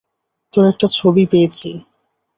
তোর একটা ছবি পেয়েছি।